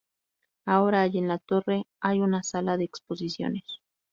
Ahora hay en la torre hay una sala de exposiciones.